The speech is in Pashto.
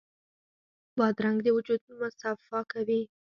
بادرنګ د وجود مصفا کوي.